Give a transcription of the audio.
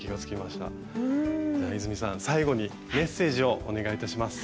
泉さん最後にメッセージをお願いいたします。